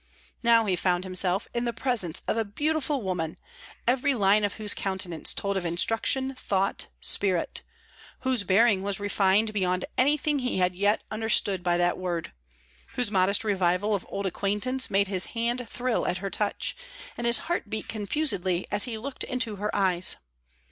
Now he found himself in the presence of a beautiful woman, every line of whose countenance told of instruction, thought, spirit; whose bearing was refined beyond anything he had yet understood by that word; whose modest revival of old acquaintance made his hand thrill at her touch, and his heart beat confusedly as he looked into her eyes.